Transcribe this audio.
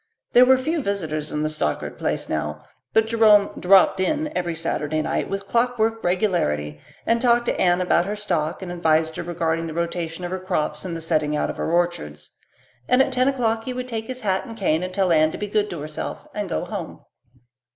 There were few visitors at the Stockard place now, but Jerome "dropped in" every Saturday night with clockwork regularity and talked to Anne about her stock and advised her regarding the rotation of her crops and the setting out of her orchards. And at ten o'clock he would take his hat and cane and tell Anne to be good to herself, and go home.